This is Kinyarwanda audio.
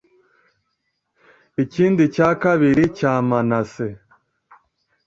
ikindi cya kabiri cya manase